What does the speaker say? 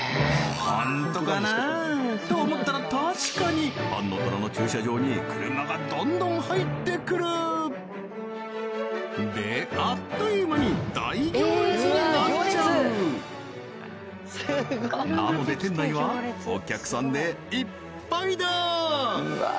本当かな？と思ったら確かにパンのトラの駐車場に車がどんどん入ってくるであっという間に大行列になっちゃうなので店内はお客さんでいっぱいだ！